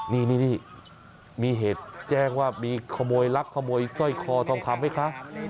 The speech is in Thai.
นี่มีเหตุแจ้งว่ามีขโมยลักขโมยสร้อยคอทองคำไหมคะ